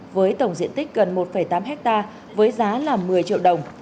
với tổng diện tích gần một tám hectare với giá là một mươi triệu đồng